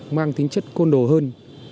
mang tính chất côn đồ hơn